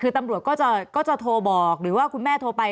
คือตำรวจก็จะโทรบอกหรือว่าคุณแม่โทรไป